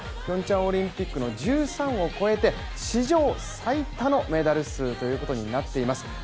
ピョンチャンオリンピックの１３を超えて史上最多のメダル数ということになっております。